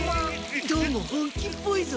どうも本気っぽいぞ。